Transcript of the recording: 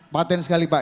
paten sekali pak